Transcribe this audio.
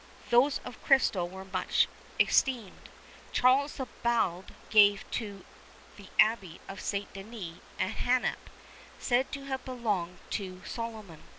Those of crystal were much esteemed. Charles the Bald gave to the Abbey of St. Denis a hanap, said to have belonged to Solomon.